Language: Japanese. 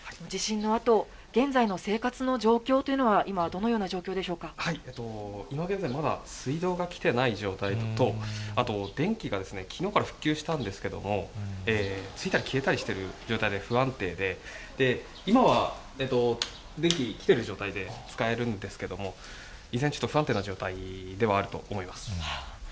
地震のあと、現在の生活の状況というのは今、どのような状況でし今現在、まだ水道が来てない状態と、あと電気がきのうから復旧したんですけれども、ついたり消えたりしている状態で、不安定で、今は電気、きてる状態で使えるんですけれども、依然、不安定な状態ではあると思います。